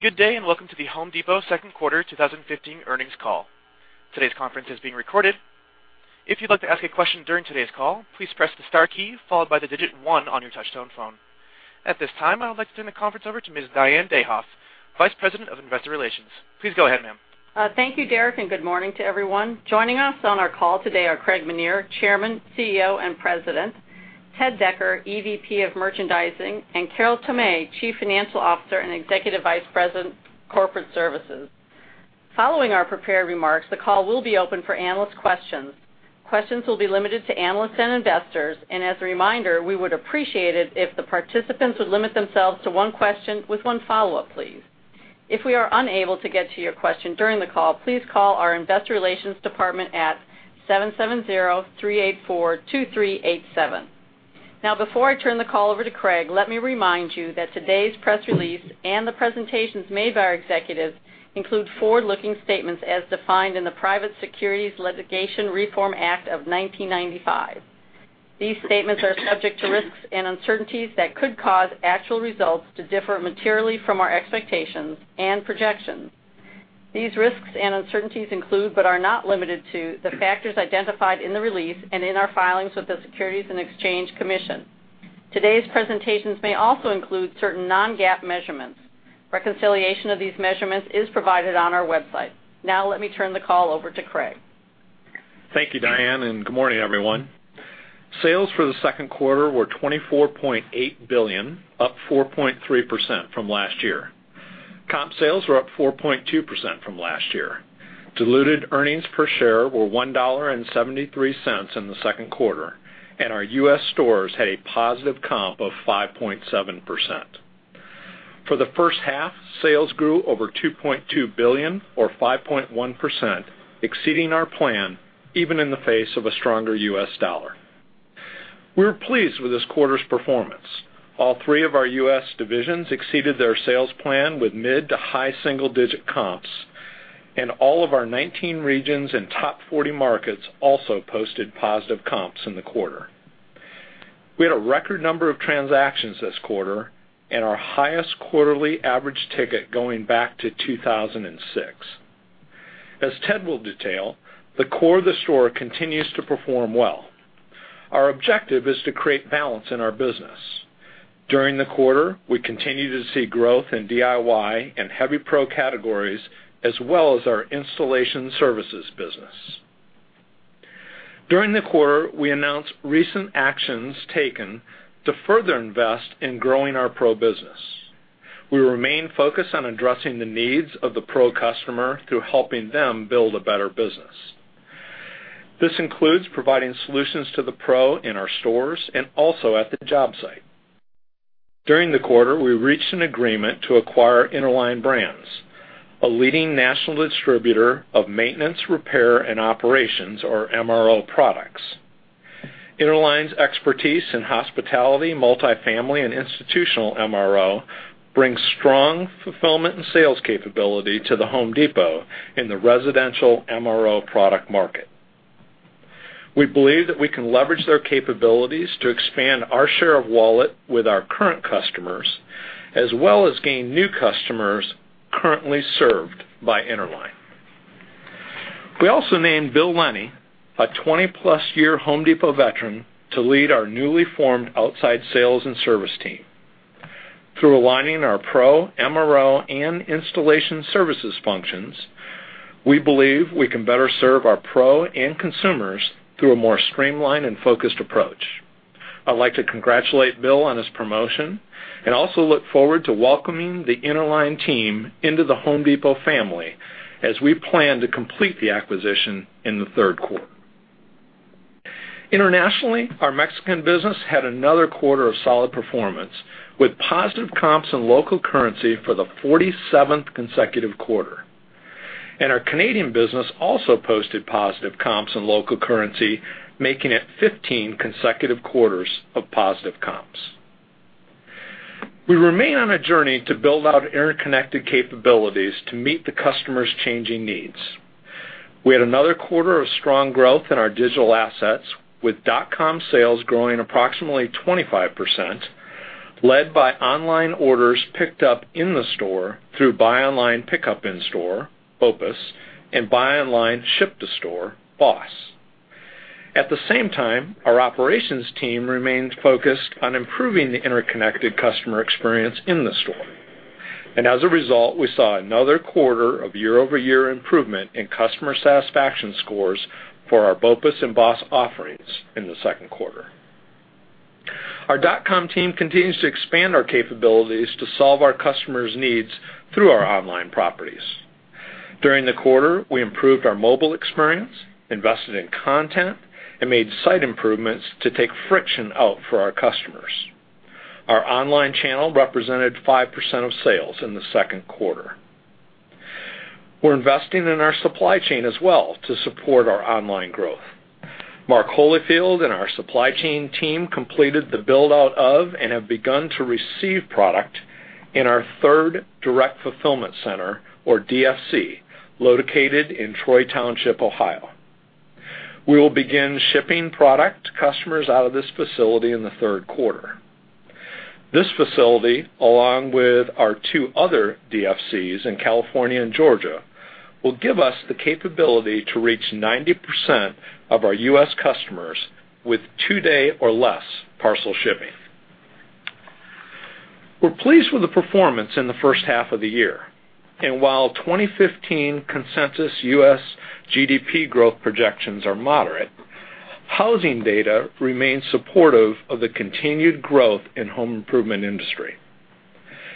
Good day. Welcome to The Home Depot second quarter 2015 earnings call. Today's conference is being recorded. If you'd like to ask a question during today's call, please press the star key followed by the digit one on your touchtone phone. At this time, I would like to turn the conference over to Ms. Diane Dayhoff, Vice President of Investor Relations. Please go ahead, ma'am. Thank you, Derek. Good morning to everyone. Joining us on our call today are Craig Menear, Chairman, CEO, and President, Ted Decker, EVP of Merchandising, and Carol Tomé, Chief Financial Officer and Executive Vice President, Corporate Services. Following our prepared remarks, the call will be open for analyst questions. Questions will be limited to analysts and investors. As a reminder, we would appreciate it if the participants would limit themselves to one question with one follow-up, please. If we are unable to get to your question during the call, please call our investor relations department at 770-384-2387. Before I turn the call over to Craig, let me remind you that today's press release and the presentations made by our executives include forward-looking statements as defined in the Private Securities Litigation Reform Act of 1995. These statements are subject to risks and uncertainties that could cause actual results to differ materially from our expectations and projections. These risks and uncertainties include, but are not limited to, the factors identified in the release and in our filings with the Securities and Exchange Commission. Today's presentations may also include certain non-GAAP measurements. Reconciliation of these measurements is provided on our website. Let me turn the call over to Craig. Thank you, Diane. Good morning, everyone. Sales for the second quarter were $24.8 billion, up 4.3% from last year. Comp sales were up 4.2% from last year. Diluted earnings per share were $1.73 in the second quarter. Our U.S. stores had a positive comp of 5.7%. For the first half, sales grew over $2.2 billion or 5.1%, exceeding our plan, even in the face of a stronger U.S. dollar. We're pleased with this quarter's performance. All three of our U.S. divisions exceeded their sales plan with mid to high single-digit comps. All of our 19 regions and top 40 markets also posted positive comps in the quarter. We had a record number of transactions this quarter and our highest quarterly average ticket going back to 2006. As Ted will detail, the core of the store continues to perform well. Our objective is to create balance in our business. During the quarter, we continued to see growth in DIY and heavy pro categories, as well as our installation services business. During the quarter, we announced recent actions taken to further invest in growing our pro business. We remain focused on addressing the needs of the pro customer through helping them build a better business. This includes providing solutions to the pro in our stores and also at the job site. During the quarter, we reached an agreement to acquire Interline Brands, a leading national distributor of maintenance, repair, and operations, or MRO products. Interline's expertise in hospitality, multifamily, and institutional MRO brings strong fulfillment and sales capability to The Home Depot in the residential MRO product market. We believe that we can leverage their capabilities to expand our share of wallet with our current customers, as well as gain new customers currently served by Interline. We also named Bill Lennie, a 20-plus year The Home Depot veteran, to lead our newly formed outside sales and service team. Through aligning our pro, MRO, and installation services functions, we believe we can better serve our pro and consumers through a more streamlined and focused approach. I'd like to congratulate Bill on his promotion and also look forward to welcoming the Interline team into The Home Depot family as we plan to complete the acquisition in the third quarter. Internationally, our Mexican business had another quarter of solid performance, with positive comps in local currency for the 47th consecutive quarter. Our Canadian business also posted positive comps in local currency, making it 15 consecutive quarters of positive comps. We remain on a journey to build out interconnected capabilities to meet the customer's changing needs. We had another quarter of strong growth in our digital assets, with .com sales growing approximately 25%, led by online orders picked up in the store through buy online pickup in store, BOPUS, and buy online, ship to store, BOSS. At the same time, our operations team remains focused on improving the interconnected customer experience in the store. As a result, we saw another quarter of year-over-year improvement in customer satisfaction scores for our BOPUS and BOSS offerings in the second quarter. Our .com team continues to expand our capabilities to solve our customers' needs through our online properties. During the quarter, we improved our mobile experience, invested in content, and made site improvements to take friction out for our customers. Our online channel represented 5% of sales in the second quarter. We're investing in our supply chain as well to support our online growth. Mark Holifield and our supply chain team completed the build-out of and have begun to receive product in our third direct fulfillment center, or DFC, located in Troy Township, Ohio. We will begin shipping product to customers out of this facility in the third quarter. This facility, along with our two other DFCs in California and Georgia, will give us the capability to reach 90% of our U.S. customers with two-day or less parcel shipping. We're pleased with the performance in the first half of the year. While 2015 consensus U.S. GDP growth projections are moderate, housing data remains supportive of the continued growth in home improvement industry.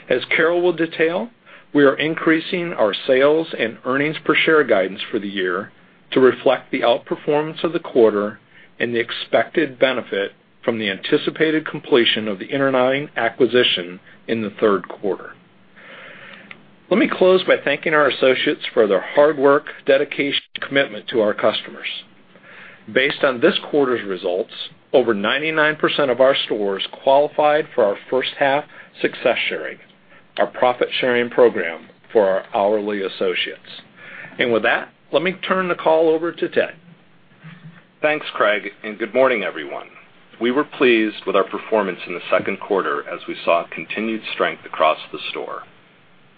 As Carol will detail, we are increasing our sales and earnings per share guidance for the year to reflect the outperformance of the quarter and the expected benefit from the anticipated completion of the Interline acquisition in the third quarter. Let me close by thanking our associates for their hard work, dedication, and commitment to our customers. Based on this quarter's results, over 99% of our stores qualified for our first half Success Sharing, our profit-sharing program for our hourly associates. With that, let me turn the call over to Ted. Thanks, Craig, good morning, everyone. We were pleased with our performance in the second quarter as we saw continued strength across the store.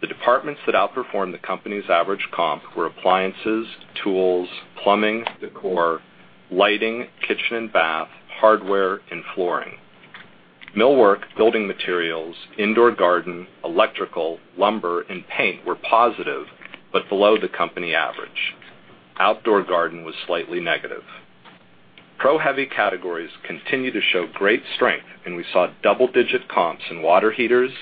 The departments that outperformed the company's average comp were appliances, tools, plumbing, decor, lighting, kitchen and bath, hardware, and flooring. Millwork, building materials, indoor garden, electrical, lumber, and paint were positive, but below the company average. Outdoor garden was slightly negative. Pro heavy categories continue to show great strength, and we saw double-digit comps in water heaters,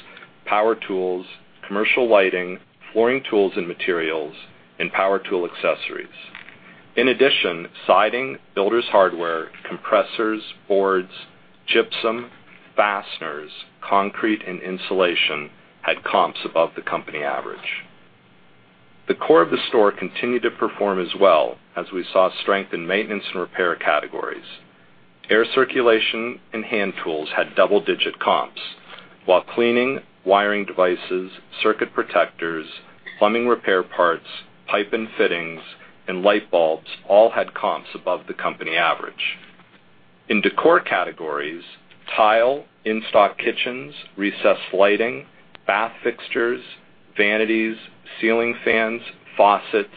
power tools, commercial lighting, flooring tools and materials, and power tool accessories. In addition, siding, builders' hardware, compressors, boards, gypsum, fasteners, concrete, and insulation had comps above the company average. The core of the store continued to perform as well, as we saw strength in maintenance and repair categories. Air circulation and hand tools had double-digit comps, while cleaning, wiring devices, circuit protectors, plumbing repair parts, pipe and fittings, and light bulbs all had comps above the company average. In decor categories, tile, in-stock kitchens, recessed lighting, bath fixtures, vanities, ceiling fans, faucets,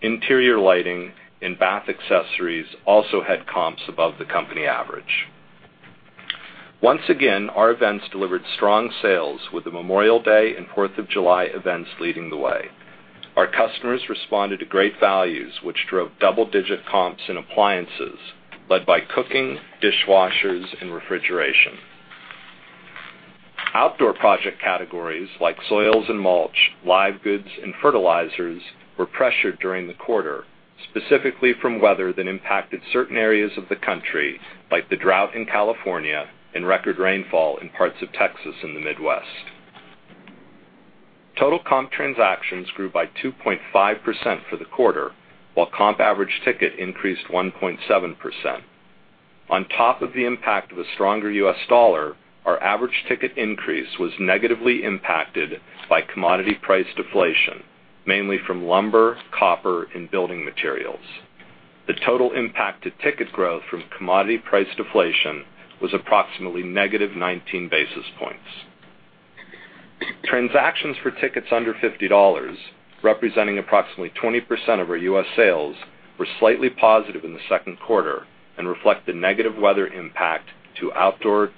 interior lighting, and bath accessories also had comps above the company average. Once again, our events delivered strong sales with the Memorial Day and Fourth of July events leading the way. Our customers responded to great values, which drove double-digit comps in appliances led by cooking, dishwashers, and refrigeration. Outdoor project categories like soils and mulch, live goods, and fertilizers were pressured during the quarter, specifically from weather that impacted certain areas of the country, like the drought in California and record rainfall in parts of Texas and the Midwest. Total comp transactions grew by 2.5% for the quarter, while comp average ticket increased 1.7%. On top of the impact of a stronger U.S. dollar, our average ticket increase was negatively impacted by commodity price deflation, mainly from lumber, copper, and building materials. The total impact to ticket growth from commodity price deflation was approximately negative 19 basis points. Transactions for tickets under $50, representing approximately 20% of our U.S. sales, were slightly positive in the second quarter and reflect the negative weather impact to outdoor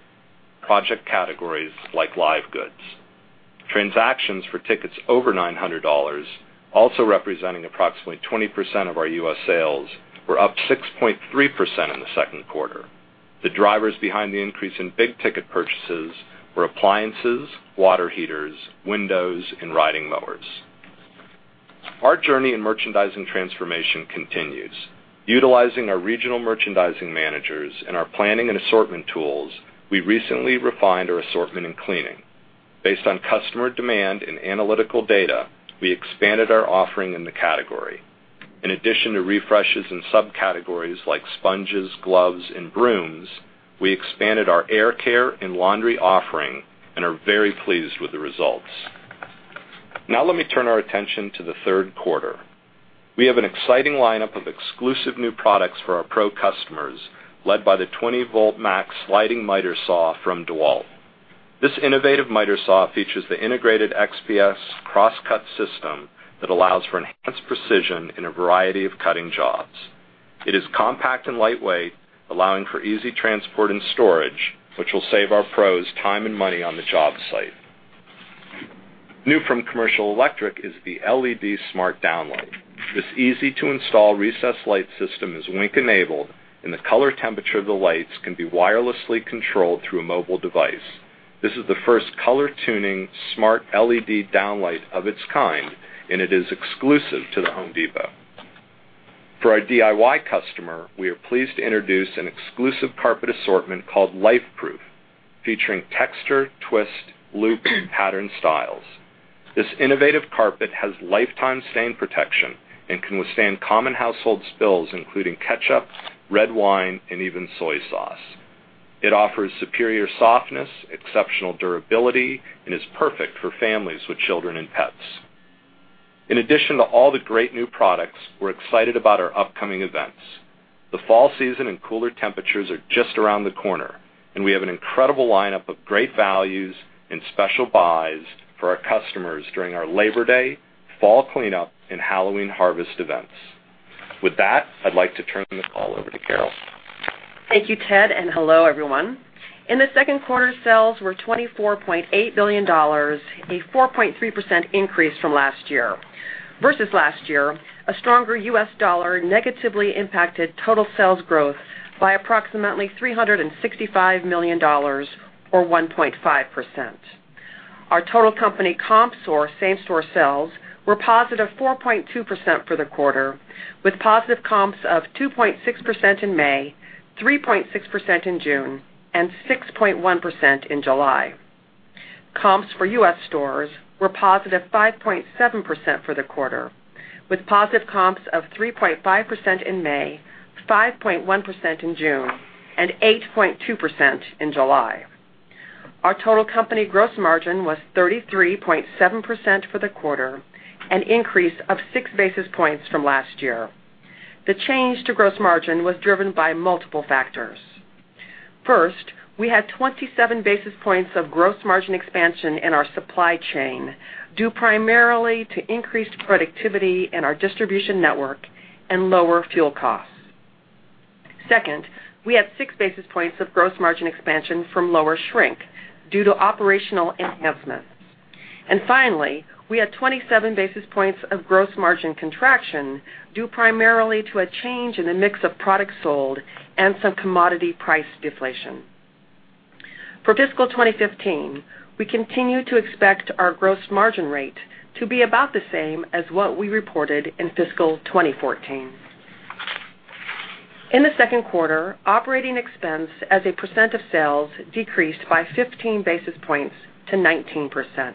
project categories like live goods. Transactions for tickets over $900, also representing approximately 20% of our U.S. sales, were up 6.3% in the second quarter. The drivers behind the increase in big-ticket purchases were appliances, water heaters, windows, and riding mowers. Our journey in merchandising transformation continues. Utilizing our regional merchandising managers and our planning and assortment tools, we recently refined our assortment in cleaning. Based on customer demand and analytical data, we expanded our offering in the category. In addition to refreshes in subcategories like sponges, gloves, and brooms, we expanded our hair care and laundry offering and are very pleased with the results. Now let me turn our attention to the third quarter. We have an exciting lineup of exclusive new products for our Pro customers, led by the 20V MAX* sliding miter saw from DEWALT. This innovative miter saw features the integrated XPS Cross-Cut system that allows for enhanced precision in a variety of cutting jobs. It is compact and lightweight, allowing for easy transport and storage, which will save our Pros time and money on the job site. New from Commercial Electric is the LED smart downlight. This easy-to-install recessed light system is Wink-enabled, and the color temperature of the lights can be wirelessly controlled through a mobile device. This is the first color-tuning smart LED downlight of its kind, and it is exclusive to The Home Depot. For our DIY customer, we are pleased to introduce an exclusive carpet assortment called LifeProof, featuring texture, twist, loop, and pattern styles. This innovative carpet has lifetime stain protection and can withstand common household spills, including ketchup, red wine, and even soy sauce. It offers superior softness, exceptional durability, and is perfect for families with children and pets. In addition to all the great new products, we're excited about our upcoming events. The fall season and cooler temperatures are just around the corner, and we have an incredible lineup of great values and special buys for our customers during our Labor Day, Fall Cleanup, and Halloween Harvest events. With that, I'd like to turn the call over to Carol. Thank you, Ted, and hello, everyone. In the second quarter, sales were $24.8 billion, a 4.3% increase from last year. Versus last year, a stronger U.S. dollar negatively impacted total sales growth by approximately $365 million, or 1.5%. Our total company comps or same-store sales were positive 4.2% for the quarter, with positive comps of 2.6% in May, 3.6% in June, and 6.1% in July. Comps for U.S. stores were positive 5.7% for the quarter, with positive comps of 3.5% in May, 5.1% in June, and 8.2% in July. Our total company gross margin was 33.7% for the quarter, an increase of six basis points from last year. The change to gross margin was driven by multiple factors. First, we had 27 basis points of gross margin expansion in our supply chain, due primarily to increased productivity in our distribution network and lower fuel costs. Second, we had six basis points of gross margin expansion from lower shrink due to operational enhancements. Finally, we had 27 basis points of gross margin contraction due primarily to a change in the mix of products sold and some commodity price deflation. For fiscal 2015, we continue to expect our gross margin rate to be about the same as what we reported in fiscal 2014. In the second quarter, operating expense as a percent of sales decreased by 15 basis points to 19%.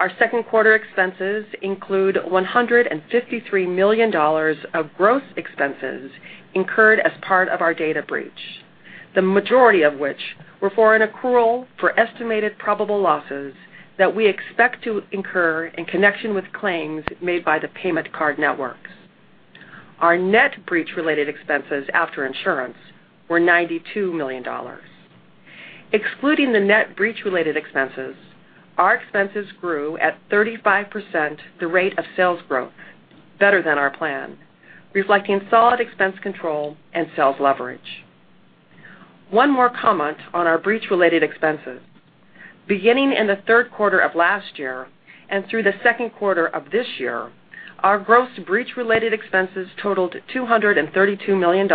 Our second quarter expenses include $153 million of gross expenses incurred as part of our data breach, the majority of which were for an accrual for estimated probable losses that we expect to incur in connection with claims made by the payment card networks. Our net breach-related expenses after insurance were $92 million. Excluding the net breach-related expenses, our expenses grew at 35% the rate of sales growth, better than our plan, reflecting solid expense control and sales leverage. One more comment on our breach-related expenses. Beginning in the third quarter of last year and through the second quarter of this year, our gross breach-related expenses totaled $232 million,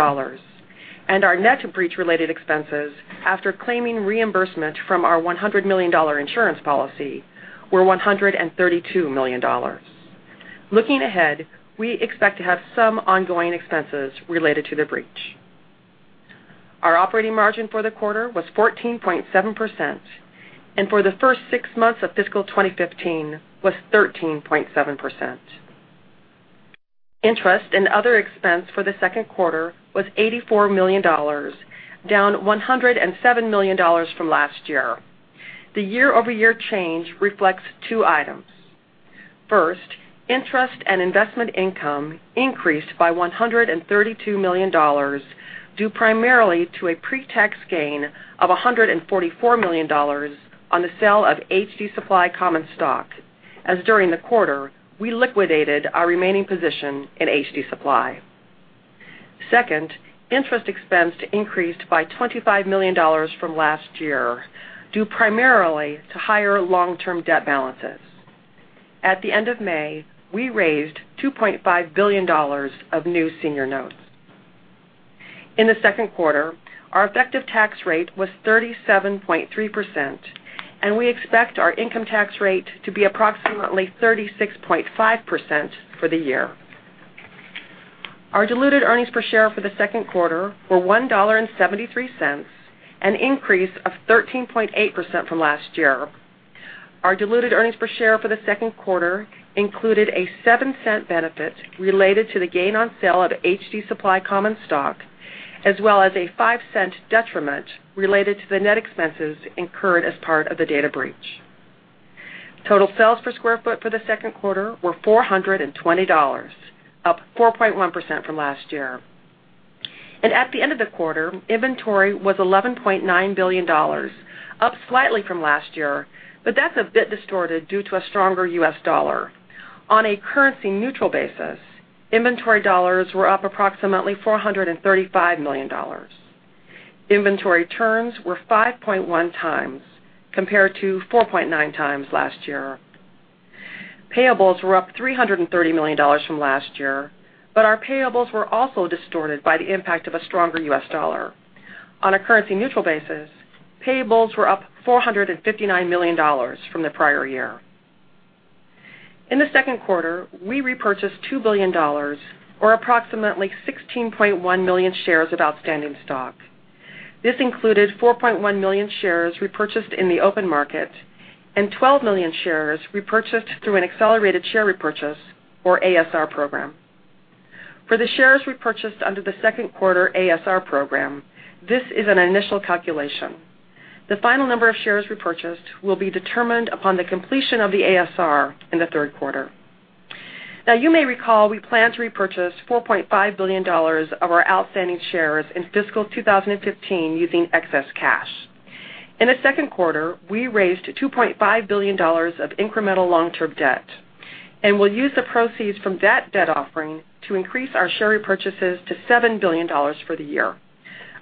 and our net breach-related expenses, after claiming reimbursement from our $100 million insurance policy, were $132 million. Looking ahead, we expect to have some ongoing expenses related to the breach. Our operating margin for the quarter was 14.7%, and for the first six months of fiscal 2015 was 13.7%. Interest and other expense for the second quarter was $84 million, down $107 million from last year. The year-over-year change reflects two items. First, interest and investment income increased by $132 million, due primarily to a pretax gain of $144 million on the sale of HD Supply common stock, as during the quarter, we liquidated our remaining position in HD Supply. Second, interest expense increased by $25 million from last year, due primarily to higher long-term debt balances. At the end of May, we raised $2.5 billion of new senior notes. In the second quarter, our effective tax rate was 37.3%, and we expect our income tax rate to be approximately 36.5% for the year. Our diluted earnings per share for the second quarter were $1.73, an increase of 13.8% from last year. Our diluted earnings per share for the second quarter included a $0.07 benefit related to the gain on sale of HD Supply common stock, as well as a $0.05 detriment related to the net expenses incurred as part of the data breach. Total sales per square foot for the second quarter were $420, up 4.1% from last year. At the end of the quarter, inventory was $11.9 billion, up slightly from last year, but that's a bit distorted due to a stronger U.S. dollar. On a currency-neutral basis, inventory dollars were up approximately $435 million. Inventory turns were 5.1 times compared to 4.9 times last year. Payables were up $330 million from last year, but our payables were also distorted by the impact of a stronger U.S. dollar. On a currency-neutral basis, payables were up $459 million from the prior year. In the second quarter, we repurchased $2 billion, or approximately 16.1 million shares of outstanding stock. This included 4.1 million shares repurchased in the open market and 12 million shares repurchased through an accelerated share repurchase, or ASR program. For the shares repurchased under the second quarter ASR program, this is an initial calculation. The final number of shares repurchased will be determined upon the completion of the ASR in the third quarter. You may recall we planned to repurchase $4.5 billion of our outstanding shares in fiscal 2015 using excess cash. In the second quarter, we raised $2.5 billion of incremental long-term debt, and we'll use the proceeds from that debt offering to increase our share repurchases to $7 billion for the year,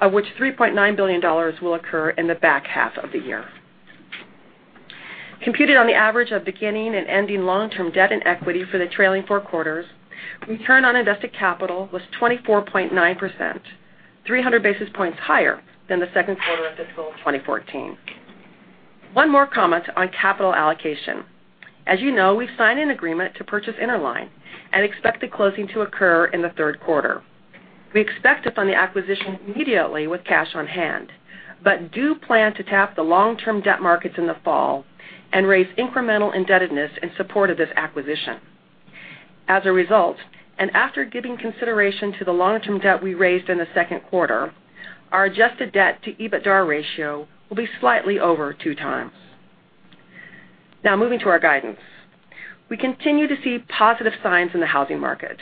of which $3.9 billion will occur in the back half of the year. Computed on the average of beginning and ending long-term debt and equity for the trailing four quarters, return on invested capital was 24.9%, 300 basis points higher than the second quarter of fiscal 2014. One more comment on capital allocation. As you know, we've signed an agreement to purchase Interline and expect the closing to occur in the third quarter. We expect to fund the acquisition immediately with cash on hand, but do plan to tap the long-term debt markets in the fall and raise incremental indebtedness in support of this acquisition. As a result, after giving consideration to the long-term debt we raised in the second quarter, our adjusted debt to EBITDA ratio will be slightly over two times. Moving to our guidance. We continue to see positive signs in the housing market.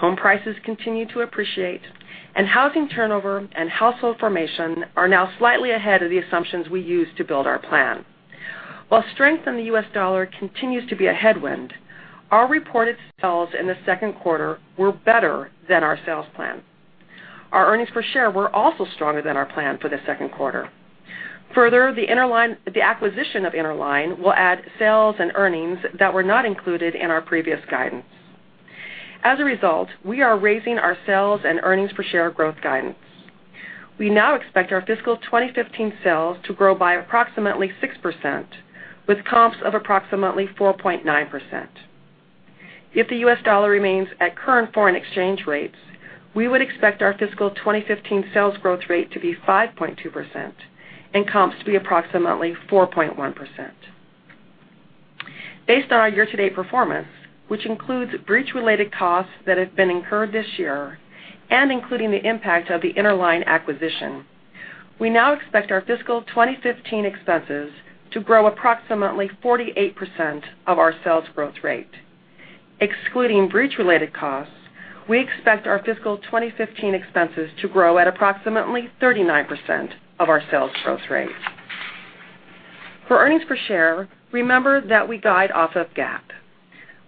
Home prices continue to appreciate, housing turnover and household formation are now slightly ahead of the assumptions we used to build our plan. While strength in the U.S. dollar continues to be a headwind, our reported sales in the second quarter were better than our sales plan. Our earnings per share were also stronger than our plan for the second quarter. The acquisition of Interline will add sales and earnings that were not included in our previous guidance. We are raising our sales and earnings per share growth guidance. We now expect our fiscal 2015 sales to grow by approximately 6%, with comps of approximately 4.9%. If the U.S. dollar remains at current foreign exchange rates, we would expect our fiscal 2015 sales growth rate to be 5.2% and comps to be approximately 4.1%. Based on our year-to-date performance, which includes breach-related costs that have been incurred this year and including the impact of the Interline acquisition, we now expect our fiscal 2015 expenses to grow approximately 48% of our sales growth rate. Excluding breach-related costs, we expect our fiscal 2015 expenses to grow at approximately 39% of our sales growth rate. For earnings per share, remember that we guide off of GAAP.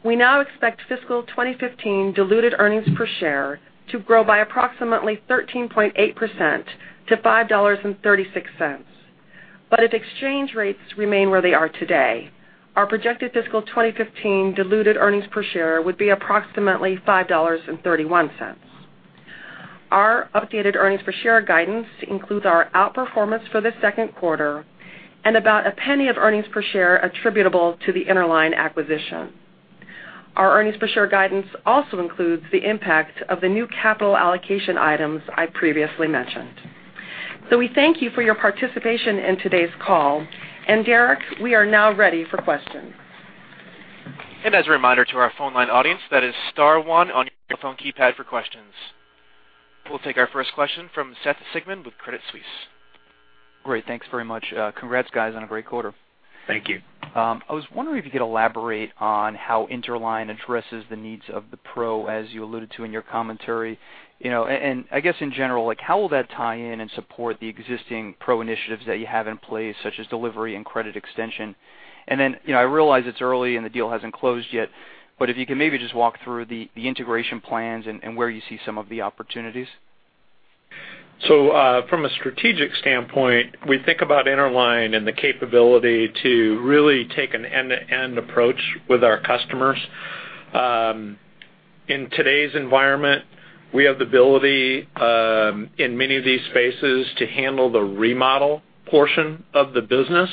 We now expect fiscal 2015 diluted earnings per share to grow by approximately 13.8% to $5.36. If exchange rates remain where they are today, our projected fiscal 2015 diluted earnings per share would be approximately $5.31. Our updated earnings per share guidance includes our outperformance for the second quarter and about $0.01 of earnings per share attributable to the Interline acquisition. Our earnings per share guidance also includes the impact of the new capital allocation items I previously mentioned. We thank you for your participation in today's call. Derek, we are now ready for questions. As a reminder to our phone line audience, that is star 1 on your telephone keypad for questions. We'll take our first question from Seth Sigman with Credit Suisse. Great. Thanks very much. Congrats, guys, on a great quarter. Thank you. I was wondering if you could elaborate on how Interline addresses the needs of the pro, as you alluded to in your commentary. I guess, in general, how will that tie in and support the existing pro initiatives that you have in place, such as delivery and credit extension? Then, I realize it's early and the deal hasn't closed yet, but if you could maybe just walk through the integration plans and where you see some of the opportunities. From a strategic standpoint, we think about Interline and the capability to really take an end-to-end approach with our customers. In today's environment, we have the ability, in many of these spaces, to handle the remodel portion of the business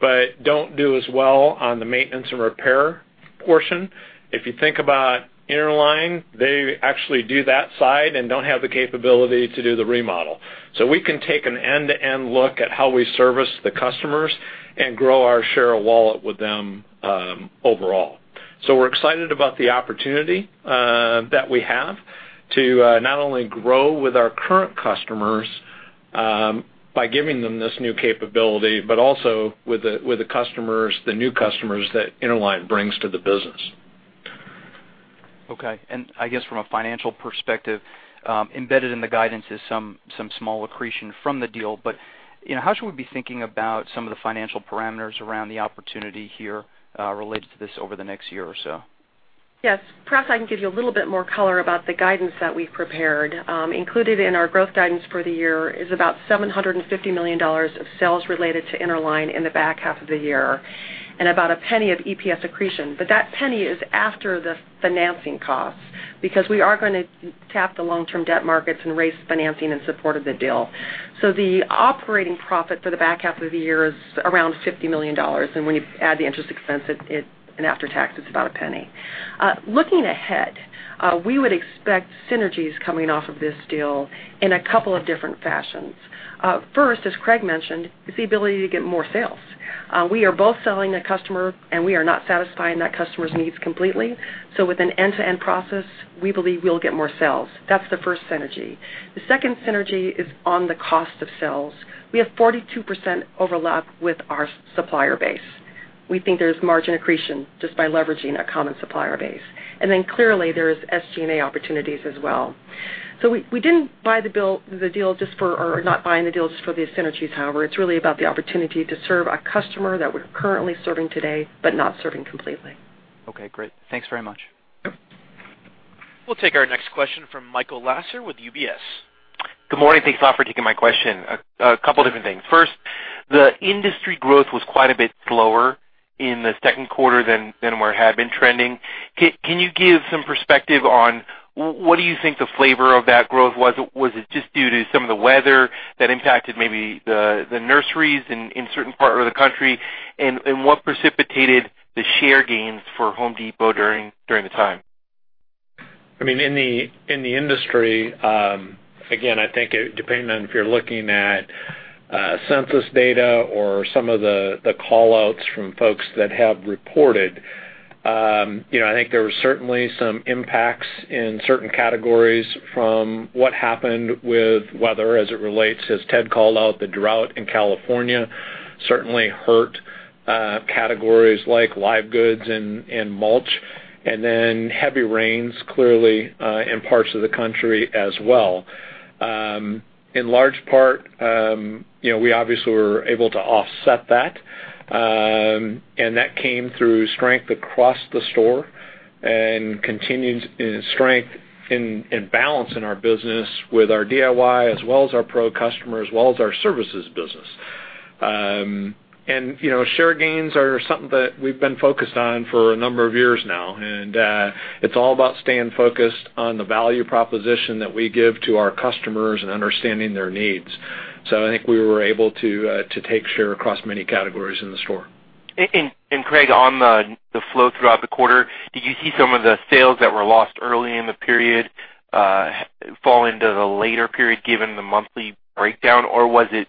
but don't do as well on the maintenance and repair portion. If you think about Interline, they actually do that side and don't have the capability to do the remodel. We can take an end-to-end look at how we service the customers and grow our share of wallet with them overall. We're excited about the opportunity that we have to not only grow with our current customers by giving them this new capability, but also with the new customers that Interline brings to the business. Okay. I guess from a financial perspective, embedded in the guidance is some small accretion from the deal. How should we be thinking about some of the financial parameters around the opportunity here related to this over the next year or so? Yes. Perhaps I can give you a little bit more color about the guidance that we've prepared. Included in our growth guidance for the year is about $750 million of sales related to Interline in the back half of the year and about a penny of EPS accretion. That penny is after the financing costs because we are going to tap the long-term debt markets and raise financing in support of the deal. The operating profit for the back half of the year is around $50 million, and when you add the interest expense in after-tax, it's about a penny. Looking ahead, we would expect synergies coming off of this deal in a couple of different fashions. First, as Craig mentioned, it's the ability to get more sales. We are both selling that customer, and we are not satisfying that customer's needs completely. With an end-to-end process, we believe we'll get more sales. That's the first synergy. The second synergy is on the cost of sales. We have 42% overlap with our supplier base. We think there's margin accretion just by leveraging that common supplier base. And then clearly, there's SG&A opportunities as well. We didn't buy the deal, or not buying the deal just for these synergies, however. It's really about the opportunity to serve a customer that we're currently serving today, but not serving completely. Okay, great. Thanks very much. Yep. We'll take our next question from Michael Lasser with UBS. Good morning. Thanks a lot for taking my question. A couple different things. First, the industry growth was quite a bit slower in the second quarter than where it had been trending. Can you give some perspective on what do you think the flavor of that growth was? Was it just due to some of the weather that impacted maybe the nurseries in certain part of the country? What precipitated the share gains for The Home Depot during the time? In the industry, again, I think depending on if you're looking at census data or some of the call-outs from folks that have reported, I think there was certainly some impacts in certain categories from what happened with weather as it relates, as Ted called out, the drought in California certainly hurt categories like live goods and mulch, and then heavy rains, clearly, in parts of the country as well. In large part, we obviously were able to offset that, and that came through strength across the store and continued strength and balance in our business with our DIY, as well as our pro customers, as well as our services business. Share gains are something that we've been focused on for a number of years now, and it's all about staying focused on the value proposition that we give to our customers and understanding their needs. I think we were able to take share across many categories in the store. Craig, on the flow throughout the quarter, did you see some of the sales that were lost early in the period fall into the later period, given the monthly breakdown? Or was it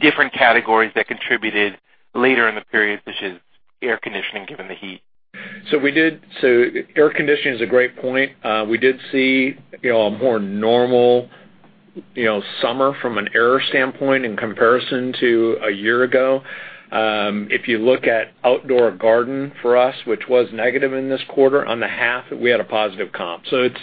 different categories that contributed later in the period, such as air conditioning, given the heat? Air conditioning is a great point. We did see a more normal summer from a weather standpoint in comparison to a year ago. If you look at outdoor garden for us, which was negative in this quarter, on the half, we had a positive comp. It's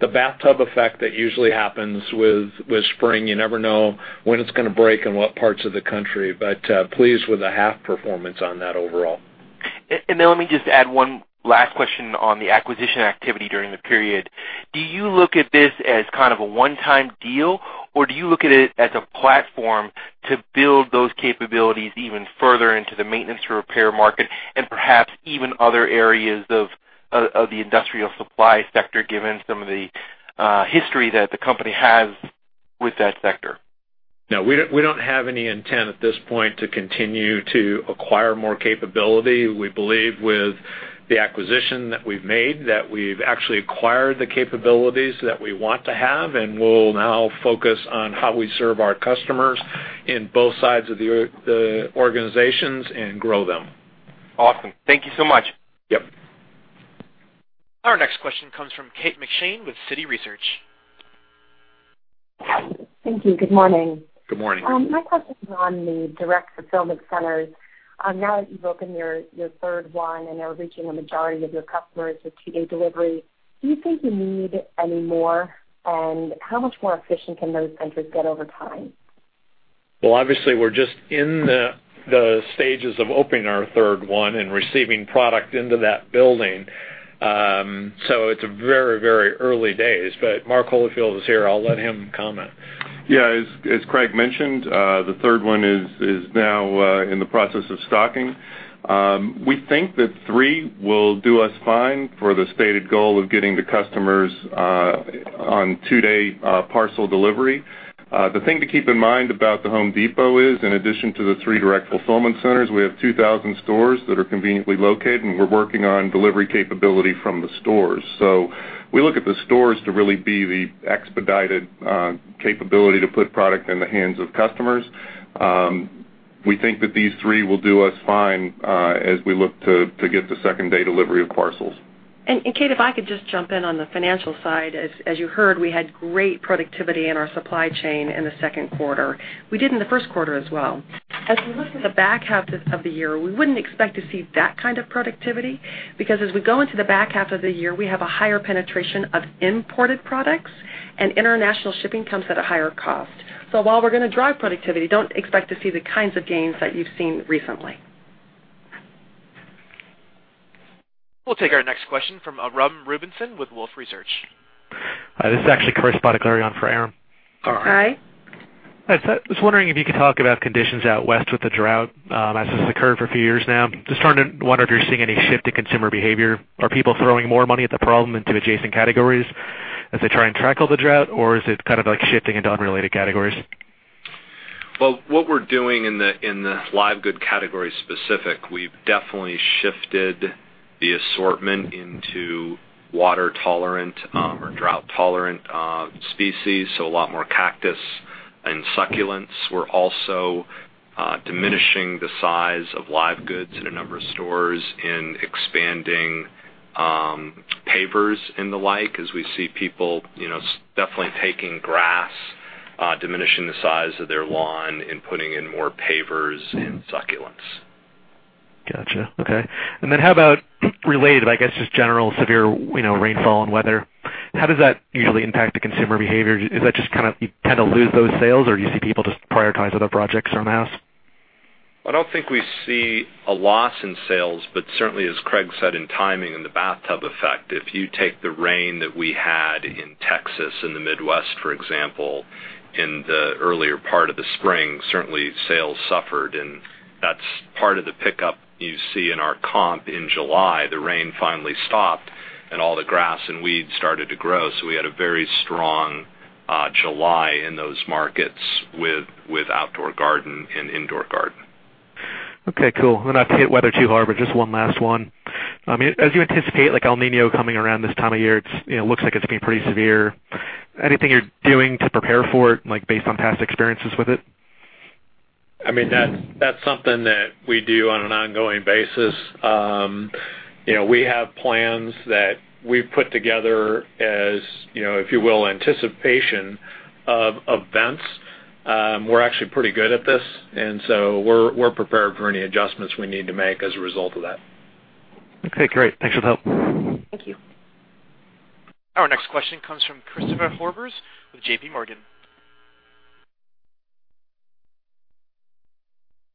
the bathtub effect that usually happens with spring. You never know when it's going to break and what parts of the country, but pleased with the half performance on that overall. Let me just add one last question on the acquisition activity during the period. Do you look at this as kind of a one-time deal, or do you look at it as a platform to build those capabilities even further into the maintenance repair market and perhaps even other areas of the industrial supply sector, given some of the history that the company has with that sector? No, we don't have any intent at this point to continue to acquire more capability. We believe with the acquisition that we've made, that we've actually acquired the capabilities that we want to have, and we'll now focus on how we serve our customers in both sides of the organizations and grow them. Awesome. Thank you so much. Yep. Our next question comes from Kate McShane with Citi Research. Thank you. Good morning. Good morning. My question is on the direct fulfillment centers. Now that you've opened your third one and are reaching a majority of your customers with two-day delivery, do you think you need any more? How much more efficient can those centers get over time? Well, obviously, we're just in the stages of opening our third one and receiving product into that building. It's very early days. Mark Holifield is here. I'll let him comment. Yeah. As Craig mentioned, the third one is now in the process of stocking. We think that three will do us fine for the stated goal of getting the customers on two-day parcel delivery. The thing to keep in mind about The Home Depot is, in addition to the three direct fulfillment centers, we have 2,000 stores that are conveniently located, and we're working on delivery capability from the stores. We look at the stores to really be the expedited capability to put product in the hands of customers. We think that these three will do us fine as we look to get to second-day delivery of parcels. Kate, if I could just jump in on the financial side. As you heard, we had great productivity in our supply chain in the second quarter. We did in the first quarter as well. As we look to the back half of the year, we wouldn't expect to see that kind of productivity, because as we go into the back half of the year, we have a higher penetration of imported products, and international shipping comes at a higher cost. While we're going to drive productivity, don't expect to see the kinds of gains that you've seen recently. We'll take our next question from Aram Rubinson with Wolfe Research. Hi, this is actually Chris for Aram. All right. All right. I was wondering if you could talk about conditions out west with the drought, as this has occurred for a few years now. Just starting to wonder if you're seeing any shift in consumer behavior. Are people throwing more money at the problem into adjacent categories as they try and tackle the drought, or is it kind of like shifting into unrelated categories? Well, what we're doing in the live good category specific, we've definitely shifted The assortment into water-tolerant or drought-tolerant species, so a lot more cactus and succulents. We're also diminishing the size of live goods in a number of stores and expanding pavers and the like, as we see people definitely taking grass, diminishing the size of their lawn, and putting in more pavers and succulents. Got you. Okay. How about related, I guess, just general severe rainfall and weather. How does that usually impact the consumer behavior? Is that just you lose those sales, or do you see people just prioritize other projects around the house? I don't think we see a loss in sales. Certainly, as Craig said, in timing and the bathtub effect, if you take the rain that we had in Texas and the Midwest, for example, in the earlier part of the spring, certainly sales suffered, and that's part of the pickup you see in our comp in July. The rain finally stopped, and all the grass and weeds started to grow. We had a very strong July in those markets with outdoor garden and indoor garden. Okay, cool. I'm not going to hit weather too hard, but just one last one. As you anticipate El Niño coming around this time of year, it looks like it's going to be pretty severe. Anything you're doing to prepare for it, based on past experiences with it? I mean, that's something that we do on an ongoing basis. We have plans that we've put together as, if you will, anticipation of events. We're actually pretty good at this. We're prepared for any adjustments we need to make as a result of that. Okay, great. Thanks for the help. Thank you. Our next question comes from Christopher Horvers with JPMorgan.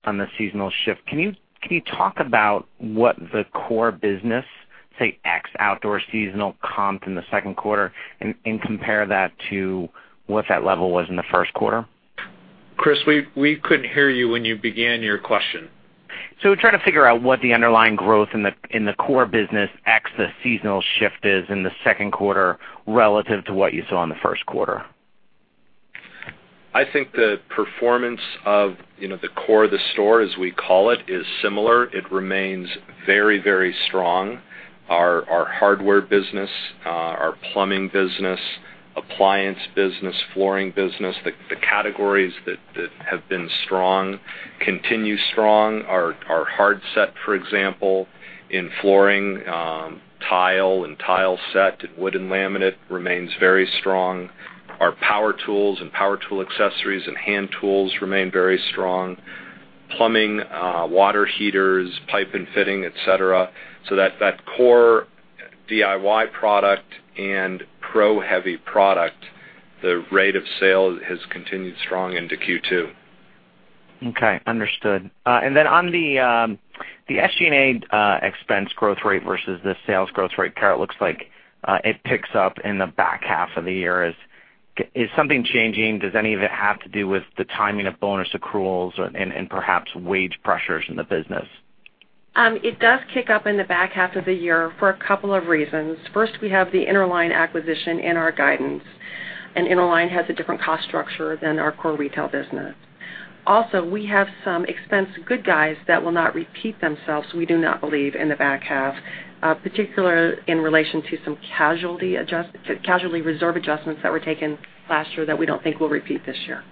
On the seasonal shift, can you talk about what the core business, say, ex outdoor seasonal comp in the second quarter and compare that to what that level was in the first quarter? Chris, we couldn't hear you when you began your question. We're trying to figure out what the underlying growth in the core business ex the seasonal shift is in the second quarter relative to what you saw in the first quarter. I think the performance of the core of the store, as we call it, is similar. It remains very strong. Our hardware business, our plumbing business, appliance business, flooring business, the categories that have been strong continue strong. Our hard set, for example, in flooring, tile and tile set, wood and laminate remains very strong. Our power tools and power tool accessories and hand tools remain very strong. Plumbing, water heaters, pipe and fitting, et cetera. That core DIY product and pro heavy product, the rate of sale has continued strong into Q2. Okay. Understood. Then on the SG&A expense growth rate versus the sales growth rate, Carol, it looks like it picks up in the back half of the year. Is something changing? Does any of it have to do with the timing of bonus accruals and perhaps wage pressures in the business? It does kick up in the back half of the year for a couple of reasons. First, we have the Interline acquisition in our guidance, and Interline has a different cost structure than our core retail business. Also, we have some expense good guys that will not repeat themselves, we do not believe, in the back half, particularly in relation to some casualty reserve adjustments that were taken last year that we don't think will repeat this year.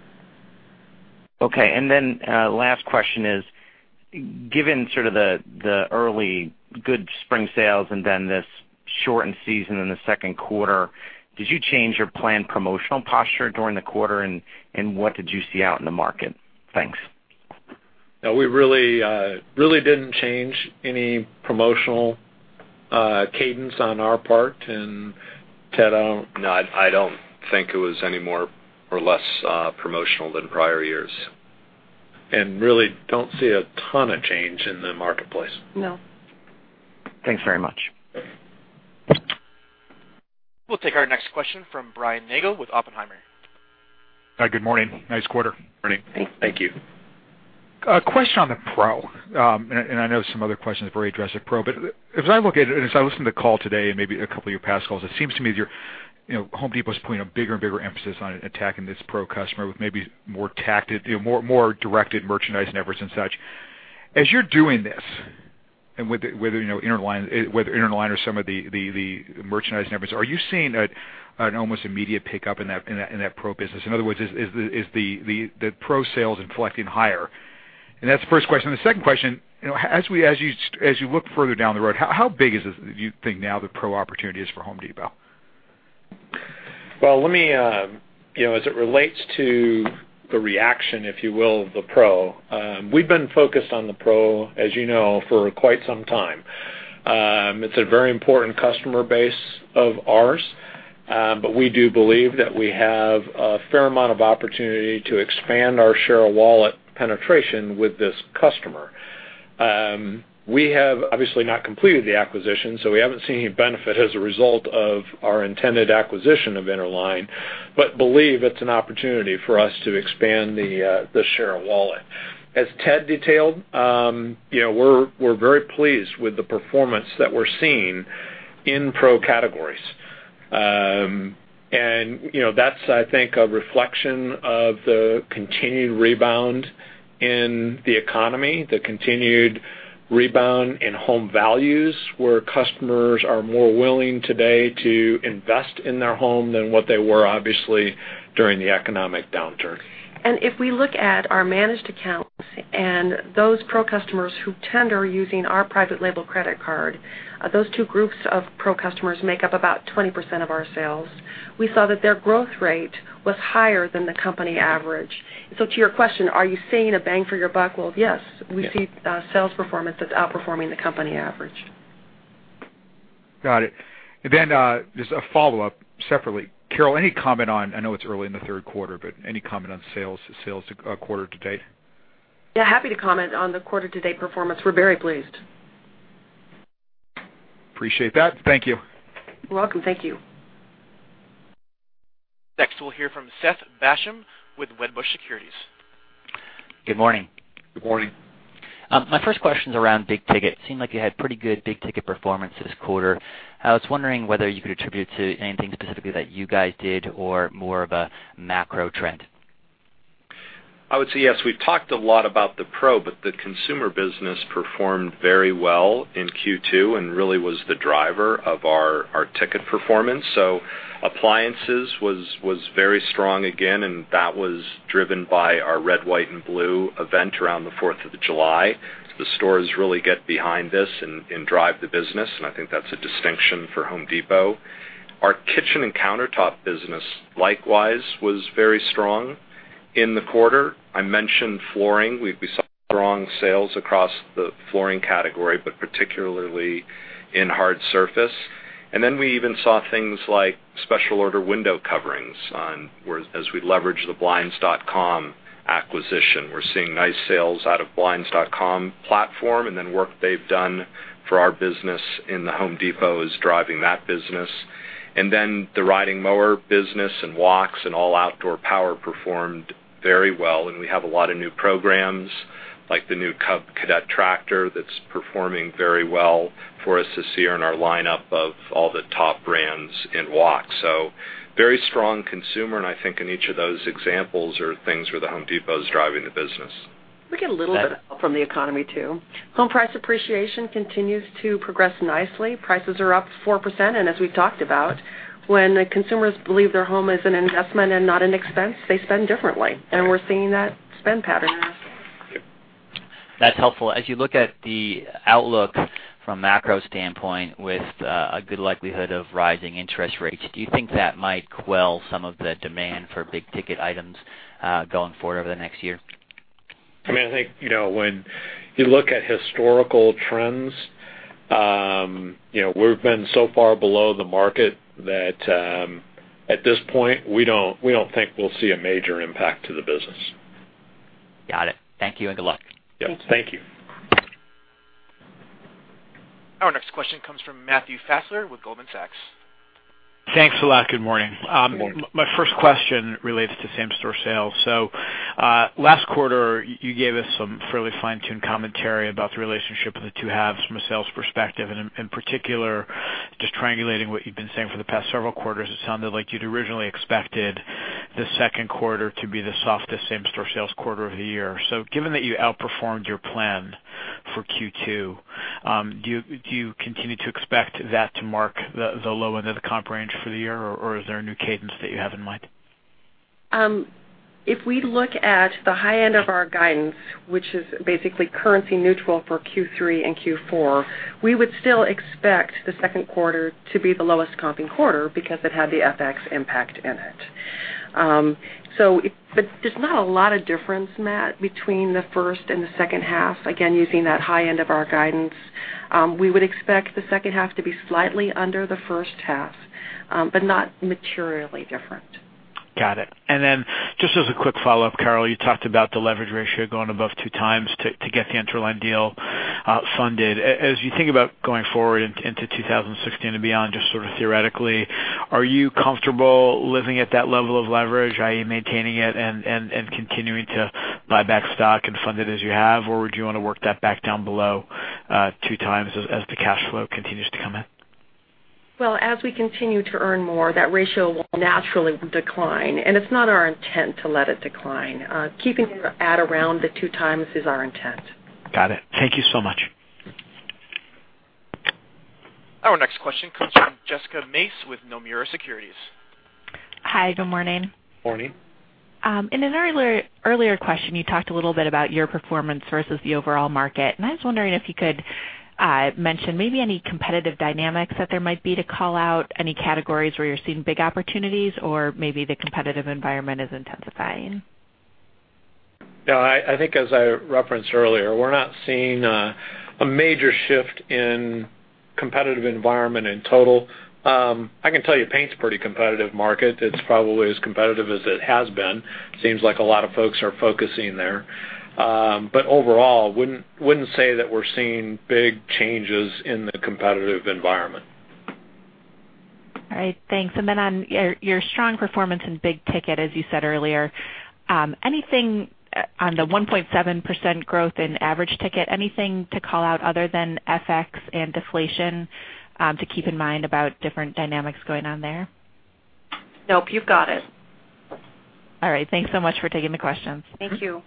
Okay. Then last question is, given sort of the early good spring sales and then this shortened season in the second quarter, did you change your planned promotional posture during the quarter, and what did you see out in the market? Thanks. No, we really didn't change any promotional cadence on our part. Ted, I don't. No, I don't think it was any more or less promotional than prior years. Really don't see a ton of change in the marketplace. No. Thanks very much. We'll take our next question from Brian Nagel with Oppenheimer. Good morning. Nice quarter. Thank you. A question on the pro. I know some other questions have already addressed the pro. As I look at it, and as I listen to the call today and maybe a couple of your past calls, it seems to me The Home Depot is putting a bigger and bigger emphasis on attacking this pro customer with maybe more directed merchandise efforts and such. As you're doing this and with Interline or some of the merchandise efforts, are you seeing an almost immediate pickup in that pro business? In other words, is the pro sales inflecting higher? That's the first question. The second question, as you look further down the road, how big is this, do you think, now the pro opportunity is for The Home Depot? Well, as it relates to the reaction, if you will, of the pro, we've been focused on the pro, as you know, for quite some time. It's a very important customer base of ours, but we do believe that we have a fair amount of opportunity to expand our share of wallet penetration with this customer. We have obviously not completed the acquisition, so we haven't seen any benefit as a result of our intended acquisition of Interline. Believe it's an opportunity for us to expand the share of wallet. As Ted detailed, we're very pleased with the performance that we're seeing in pro categories. That's, I think, a reflection of the continued rebound in the economy, the continued rebound in home values, where customers are more willing today to invest in their home than what they were, obviously, during the economic downturn. If we look at our managed accounts and those pro customers who tender using our private label credit card, those two groups of pro customers make up about 20% of our sales. We saw that their growth rate was higher than the company average. To your question, are you seeing a bang for your buck? Well, yes. Yes. We see sales performance that's outperforming the company average. Got it. Just a follow-up separately. Carol, any comment on, I know it's early in the third quarter, but any comment on sales quarter to date? Yeah, happy to comment on the quarter-to-date performance. We're very pleased. Appreciate that. Thank you. You're welcome. Thank you. Next, we'll hear from Seth Basham with Wedbush Securities. Good morning. Good morning. My first question's around big ticket. Seemed like you had pretty good big ticket performance this quarter. I was wondering whether you could attribute to anything specifically that you guys did or more of a macro trend. I would say yes. We've talked a lot about the pro, but the consumer business performed very well in Q2 and really was the driver of our ticket performance. Appliances was very strong again, and that was driven by our red, white, and blue event around the 4th of July. The stores really get behind this and drive the business, and I think that's a distinction for The Home Depot. Our kitchen and countertop business, likewise, was very strong in the quarter. I mentioned flooring. We saw strong sales across the flooring category, but particularly in hard surface. We even saw things like special order window coverings as we leverage the Blinds.com acquisition. We're seeing nice sales out of Blinds.com platform, and work they've done for our business in The Home Depot is driving that business. The riding mower business and walks and all outdoor power performed very well, and we have a lot of new programs, like the new Cub Cadet tractor that's performing very well for us this year in our lineup of all the top brands in walk. Very strong consumer, and I think in each of those examples are things where The Home Depot is driving the business. We get a little bit of help from the economy, too. Home price appreciation continues to progress nicely. Prices are up 4%, as we've talked about, when consumers believe their home is an investment and not an expense, they spend differently, and we're seeing that spend pattern. That's helpful. As you look at the outlook from a macro standpoint with a good likelihood of rising interest rates, do you think that might quell some of the demand for big ticket items going forward over the next year? I think, when you look at historical trends, we've been so far below the market that at this point, we don't think we'll see a major impact to the business. Got it. Thank you, and good luck. Yeah. Thank you. Our next question comes from Matthew Fassler with Goldman Sachs. Thanks a lot. Good morning. Good morning. My first question relates to same-store sales. Last quarter, you gave us some fairly fine-tuned commentary about the relationship with the two halves from a sales perspective, and in particular, just triangulating what you've been saying for the past several quarters, it sounded like you'd originally expected the second quarter to be the softest same-store sales quarter of the year. Given that you outperformed your plan for Q2, do you continue to expect that to mark the low end of the comp range for the year, or is there a new cadence that you have in mind? If we look at the high end of our guidance, which is basically currency neutral for Q3 and Q4, we would still expect the second quarter to be the lowest comping quarter because it had the FX impact in it. There's not a lot of difference, Matt, between the first and the second half. Again, using that high end of our guidance, we would expect the second half to be slightly under the first half, but not materially different. Got it. Just as a quick follow-up, Carol, you talked about the leverage ratio going above two times to get the Interline deal funded. As you think about going forward into 2016 and beyond, just theoretically, are you comfortable living at that level of leverage, i.e. maintaining it and continuing to buy back stock and fund it as you have, or would you want to work that back down below two times as the cash flow continues to come in? Well, as we continue to earn more, that ratio will naturally decline, and it's not our intent to let it decline. Keeping it at around the two times is our intent. Got it. Thank you so much. Our next question comes from Jessica Mace with Nomura Securities. Morning. In an earlier question, you talked a little bit about your performance versus the overall market. I was wondering if you could mention maybe any competitive dynamics that there might be to call out, any categories where you're seeing big opportunities or maybe the competitive environment is intensifying. No, I think as I referenced earlier, we're not seeing a major shift in competitive environment in total. I can tell you paint's a pretty competitive market. It's probably as competitive as it has been. Seems like a lot of folks are focusing there. Overall, wouldn't say that we're seeing big changes in the competitive environment. All right. Thanks. Then on your strong performance in big ticket, as you said earlier. Anything on the 1.7% growth in average ticket, anything to call out other than FX and deflation to keep in mind about different dynamics going on there? Nope, you've got it. All right. Thanks so much for taking the questions. Thank you.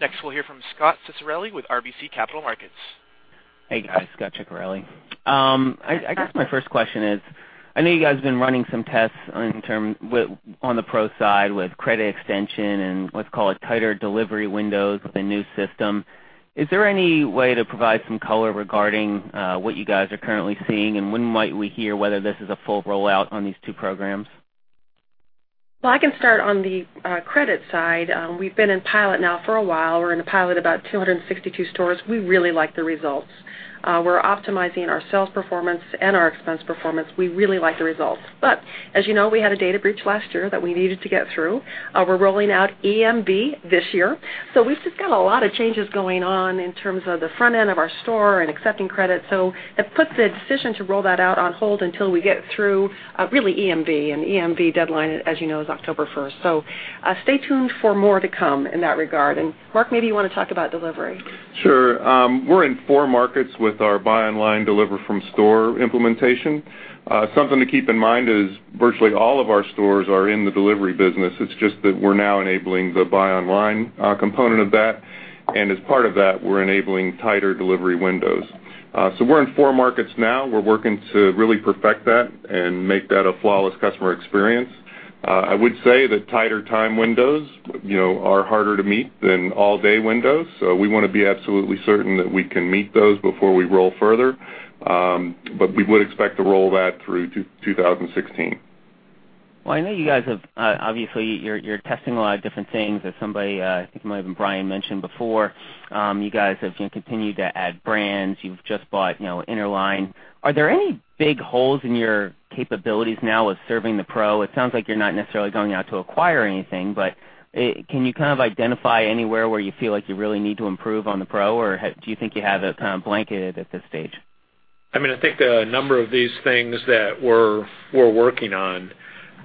Next, we'll hear from Scot Ciccarelli with RBC Capital Markets. Hey, guys. Scot Ciccarelli. I guess my first question is, I know you guys have been running some tests on the pro side with credit extension and let's call it tighter delivery windows with the new system. Is there any way to provide some color regarding what you guys are currently seeing, and when might we hear whether this is a full rollout on these two programs? Well, I can start on the credit side. We've been in pilot now for a while. We're in a pilot about 262 stores. We really like the results. We're optimizing our sales performance and our expense performance. We really like the results. As you know, we had a data breach last year that we needed to get through. We're rolling out EMV this year. We've just got a lot of changes going on in terms of the front end of our store and accepting credit. That puts the decision to roll that out on hold until we get through really EMV, and EMV deadline, as you know, is October 1st. Stay tuned for more to come in that regard. Mark, maybe you want to talk about delivery. Sure. We're in four markets with our buy online, deliver from store implementation. Something to keep in mind is virtually all of our stores are in the delivery business. It's just that we're now enabling the buy online component of that. As part of that, we're enabling tighter delivery windows. We're in four markets now. We're working to really perfect that and make that a flawless customer experience. I would say that tighter time windows are harder to meet than all-day windows. We want to be absolutely certain that we can meet those before we roll further. We would expect to roll that through 2016. Well, I know you guys, obviously, you're testing a lot of different things. As somebody, I think it might've been Brian, mentioned before, you guys have continued to add brands. You've just bought Interline. Are there any big holes in your capabilities now with serving the pro? It sounds like you're not necessarily going out to acquire anything, but can you identify anywhere where you feel like you really need to improve on the pro, or do you think you have it kind of blanketed at this stage? I think a number of these things that we're working on,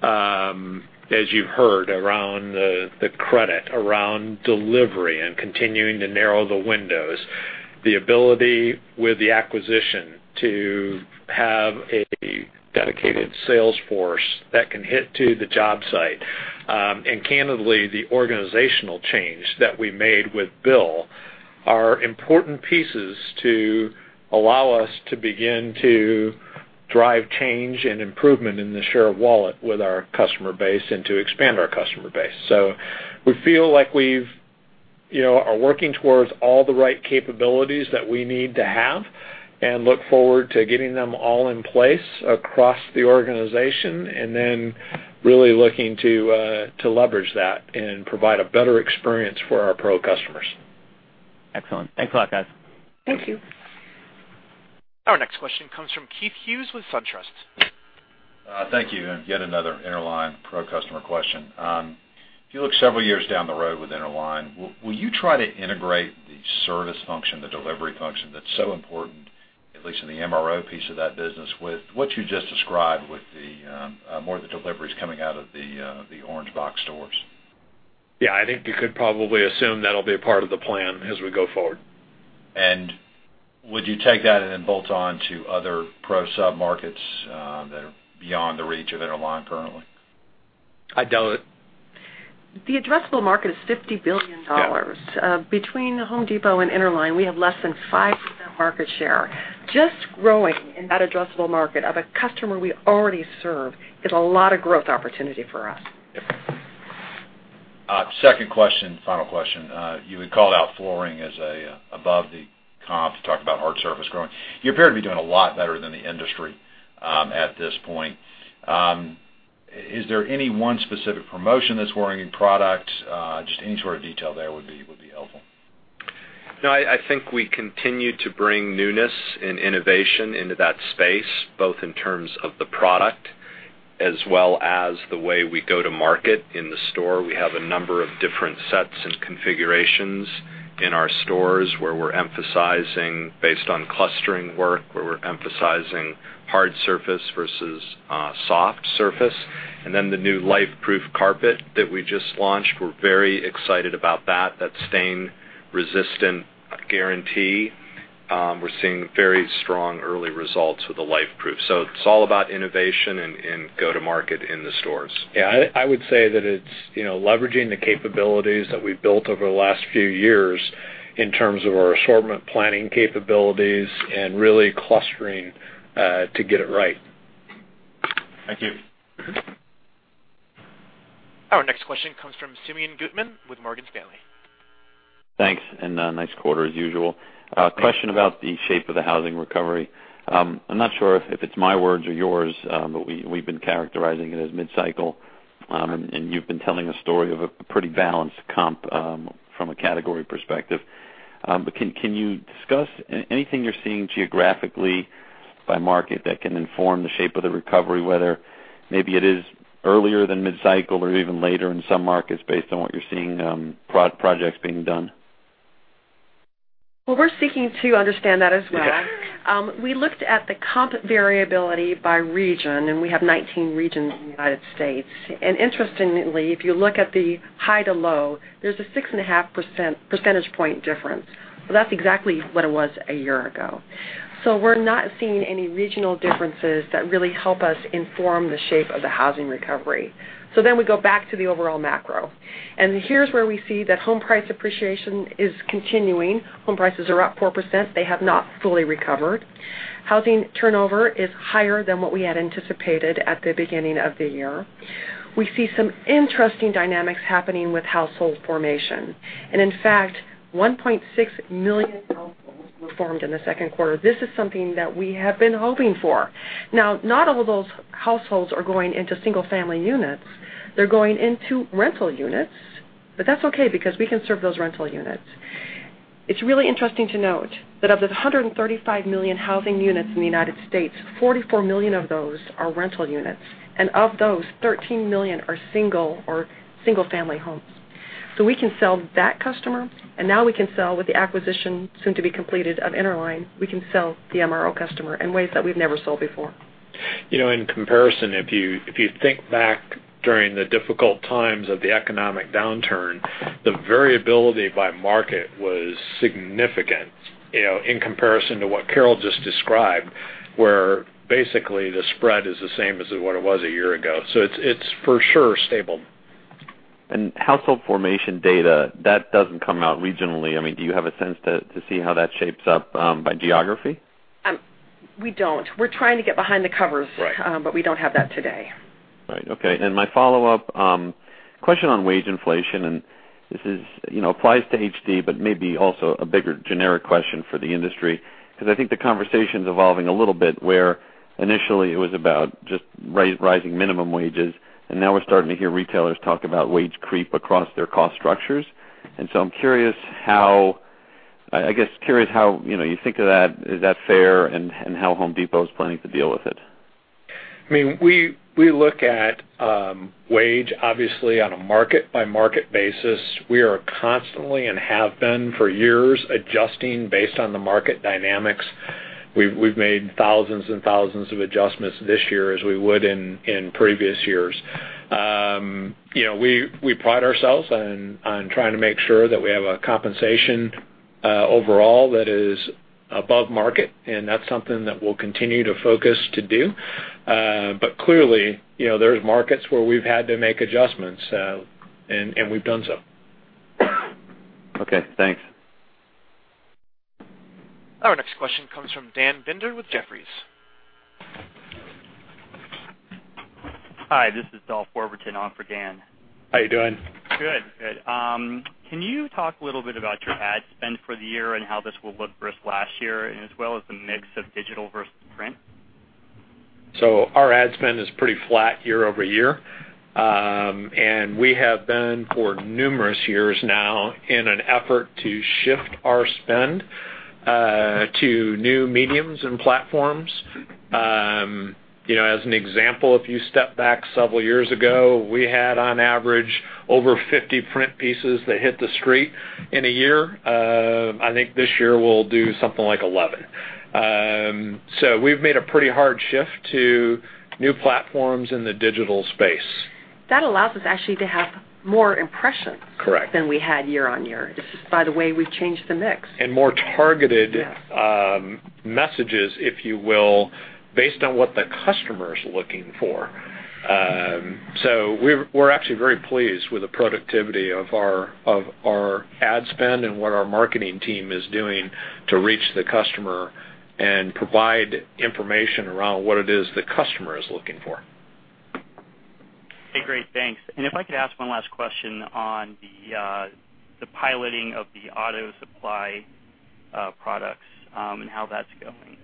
as you've heard, around the credit, around delivery and continuing to narrow the windows, the ability with the acquisition to have a dedicated sales force that can hit to the job site, and candidly, the organizational change that we made with Bill are important pieces to allow us to begin to drive change and improvement in the share of wallet with our customer base and to expand our customer base. We feel like we are working towards all the right capabilities that we need to have and look forward to getting them all in place across the organization and then really looking to leverage that and provide a better experience for our pro customers. Excellent. Thanks a lot, guys. Thank you. Our next question comes from Keith Hughes with SunTrust. Thank you. Yet another Interline pro customer question. If you look several years down the road with Interline, will you try to integrate the service function, the delivery function that's so important, at least in the MRO piece of that business, with what you just described with more of the deliveries coming out of the orange box stores? Yeah, I think you could probably assume that'll be a part of the plan as we go forward. Would you take that and then bolt on to other pro sub-markets that are beyond the reach of Interline currently? I doubt it. The addressable market is $50 billion. Yeah. Between The Home Depot and Interline, we have less than 5% market share. Just growing in that addressable market of a customer we already serve is a lot of growth opportunity for us. Yep. Second question, final question. You had called out flooring as above the comp to talk about hard surface growing. You appear to be doing a lot better than the industry at this point. Is there any one specific promotion that's working in product? Just any sort of detail there would be helpful. No, I think we continue to bring newness and innovation into that space, both in terms of the product as well as the way we go to market in the store. We have a number of different sets and configurations in our stores where we're emphasizing based on clustering work, where we're emphasizing hard surface versus soft surface. Then the new LifeProof carpet that we just launched, we're very excited about that. That stain-resistant guarantee. We're seeing very strong early results with the LifeProof. It's all about innovation and go to market in the stores. Yeah, I would say that it's leveraging the capabilities that we've built over the last few years in terms of our assortment planning capabilities and really clustering to get it right. Thank you. Our next question comes from Simeon Gutman with Morgan Stanley. Thanks, nice quarter as usual. Thank you. Question about the shape of the housing recovery. I'm not sure if it's my words or yours, but we've been characterizing it as mid-cycle, and you've been telling a story of a pretty balanced comp from a category perspective. Can you discuss anything you're seeing geographically by market that can inform the shape of the recovery, whether maybe it is earlier than mid-cycle or even later in some markets based on what you're seeing projects being done? Well, we're seeking to understand that as well. We looked at the comp variability by region, and we have 19 regions in the U.S. Interestingly, if you look at the high to low, there's a six and a half percentage point difference. Well, that's exactly what it was a year ago. We're not seeing any regional differences that really help us inform the shape of the housing recovery. We go back to the overall macro, and here's where we see that home price appreciation is continuing. Home prices are up 4%. They have not fully recovered. Housing turnover is higher than what we had anticipated at the beginning of the year. We see some interesting dynamics happening with household formation, and in fact, 1.6 million households were formed in the second quarter. This is something that we have been hoping for. Now, not all of those households are going into single-family units. They're going into rental units, but that's okay because we can serve those rental units. It's really interesting to note that of the 135 million housing units in the U.S., 44 million of those are rental units, and of those, 13 million are single or single-family homes. We can sell to that customer, and now we can sell with the acquisition soon to be completed of Interline. We can sell to the MRO customer in ways that we've never sold before. In comparison, if you think back during the difficult times of the economic downturn, the variability by market was significant, in comparison to what Carol just described, where basically the spread is the same as what it was a year ago. It's for sure stable. Household formation data, that doesn't come out regionally. Do you have a sense to see how that shapes up by geography? We don't. We're trying to get behind the covers. Right We don't have that today. Right. Okay. My follow-up question on wage inflation, and this applies to HD, but maybe also a bigger generic question for the industry, because I think the conversation's evolving a little bit, where initially it was about just rising minimum wages, and now we're starting to hear retailers talk about wage creep across their cost structures. I'm curious how you think of that. Is that fair, and how The Home Depot is planning to deal with it. We look at wage, obviously, on a market-by-market basis. We are constantly, and have been for years, adjusting based on the market dynamics. We've made thousands and thousands of adjustments this year, as we would in previous years. We pride ourselves on trying to make sure that we have a compensation overall that is above market, and that's something that we'll continue to focus to do. Clearly, there's markets where we've had to make adjustments, and we've done so. Okay, thanks. Our next question comes from Dan Binder with Jefferies. Hi, this is Dolph Overton on for Dan. How you doing? Good. Can you talk a little bit about your ad spend for the year and how this will look versus last year, as well as the mix of digital versus print? Our ad spend is pretty flat year-over-year. We have been, for numerous years now, in an effort to shift our spend to new mediums and platforms. As an example, if you step back several years ago, we had, on average, over 50 print pieces that hit the street in a year. I think this year we'll do something like 11. We've made a pretty hard shift to new platforms in the digital space. That allows us actually to have more impressions. Correct than we had year-on-year. This is by the way we've changed the mix. More targeted messages, if you will, based on what the customer is looking for. We're actually very pleased with the productivity of our ad spend and what our marketing team is doing to reach the customer and provide information around what it is the customer is looking for. Okay, great. Thanks. If I could ask one last question on the piloting of the auto supply products and how that's going.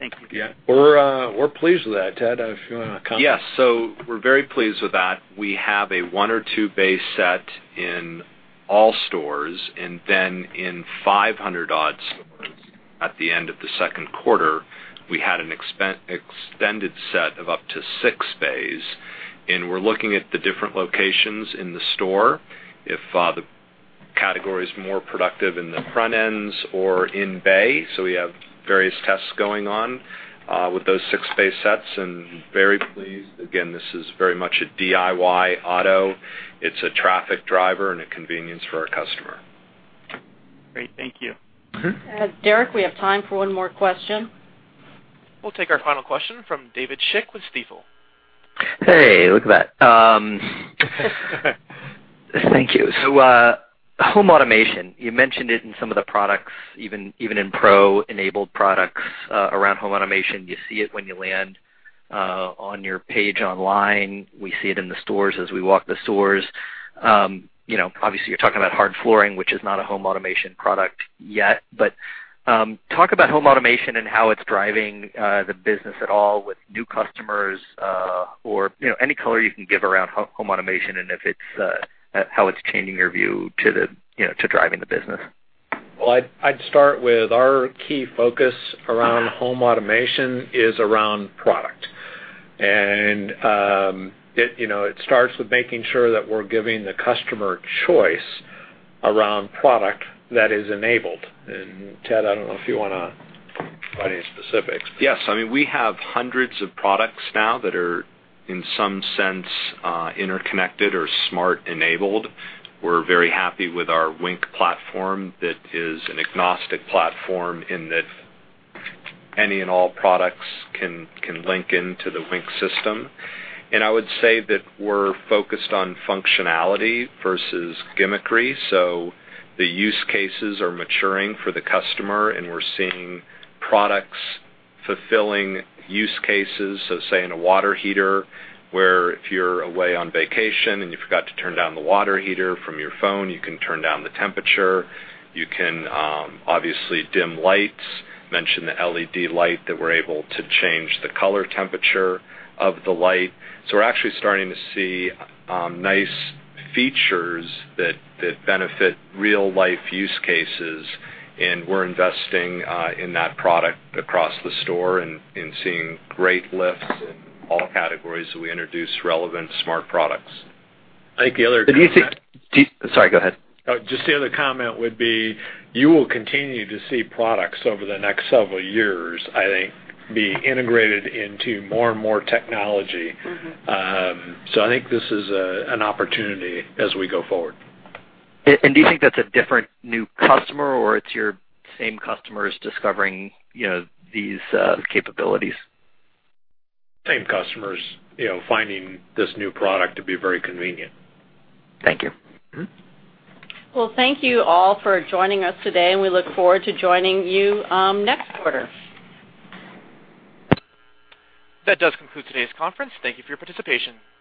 Thank you. Yeah. We're pleased with that. Ted, if you want to comment. Yes. We're very pleased with that. We have a one or two bay set in all stores, in 500 odd stores at the end of the second quarter, we had an extended set of up to six bays, We're looking at the different locations in the store if the category is more productive in the front ends or in bay. We have various tests going on with those six bay sets and very pleased. Again, this is very much a DIY auto. It's a traffic driver and a convenience for our customer. Great. Thank you. Derek, we have time for one more question. We'll take our final question from David Schick with Stifel. Hey, look at that. Thank you. Home automation, you mentioned it in some of the products, even in pro-enabled products, around home automation. You see it when you land on your page online. We see it in the stores as we walk the stores. Obviously, you're talking about hard flooring, which is not a home automation product yet. Talk about home automation and how it's driving the business at all with new customers, or any color you can give around home automation and how it's changing your view to driving the business. Well, I'd start with our key focus around home automation is around product. It starts with making sure that we're giving the customer choice around product that is enabled. Ted, I don't know if you want to provide any specifics. Yes. I mean, we have hundreds of products now that are, in some sense, interconnected or smart-enabled. We're very happy with our Wink platform. That is an agnostic platform in that any and all products can link into the Wink system. I would say that we're focused on functionality versus gimmickry. The use cases are maturing for the customer, and we're seeing products fulfilling use cases. Say, in a water heater, where if you're away on vacation and you forgot to turn down the water heater, from your phone, you can turn down the temperature. You can obviously dim lights. Mentioned the LED light, that we're able to change the color temperature of the light. We're actually starting to see nice features that benefit real-life use cases, and we're investing in that product across the store and seeing great lifts in all categories that we introduce relevant smart products. I think the other- Do you think-- Sorry, go ahead. Just the other comment would be, you will continue to see products over the next several years, I think, be integrated into more and more technology. I think this is an opportunity as we go forward. Do you think that's a different new customer or it's your same customers discovering these capabilities? Same customers finding this new product to be very convenient. Thank you. Well, thank you all for joining us today, and we look forward to joining you next quarter. That does conclude today's conference. Thank you for your participation.